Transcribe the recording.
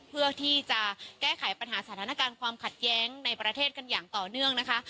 เพื่อที่จะแก้ไขปัญหาสถานการณ์ความขัดแย้งในประเทศกันอย่างต่อเนื่องนะคะ